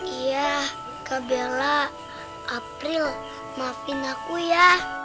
iya kak bela april maafin aku ya